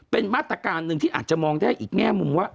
เป็นมาตรการหนึ่งที่อาจจะมองได้อีกแง่มุมว่า